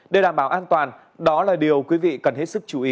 để đảm bảo an toàn đó là điều quý vị cần hết sức chú ý